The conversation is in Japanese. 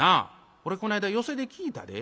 これこないだ寄席で聴いたで。